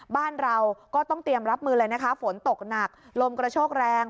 บ้านเราก็ต้องเตรียมรับมือเลยนะคะฝนตกหนักลมกระโชกแรง